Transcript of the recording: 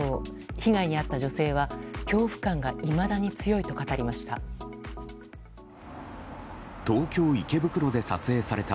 被害にあった女性は恐怖感がいまだに強いと語りました。